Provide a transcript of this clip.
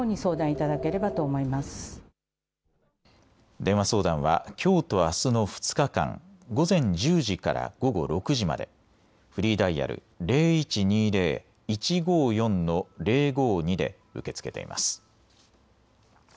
電話相談はきょうとあすの２日間、午前１０時から午後６時までフリーダイヤル０１２０−１５４−０５２で受け付けています。